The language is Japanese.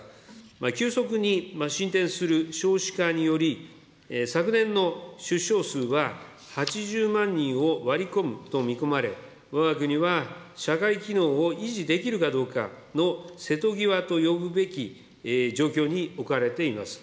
急速に進展する少子化により、昨年の出生数は８０万人を割り込むと見込まれ、わが国は社会機能を維持できるかどうかの瀬戸際と呼ぶべき状況に置かれています。